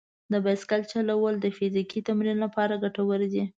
د بایسکل چلول د فزیکي تمرین لپاره ګټور دي.